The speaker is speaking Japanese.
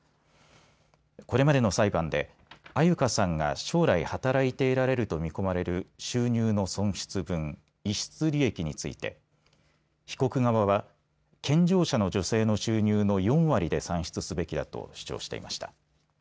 これまでの裁判で安優香さんが将来働いて得られると見込まれる収入の損失分、逸失利益について被告側は健常者の女性の収入の４割で算出すべきだと主張していました。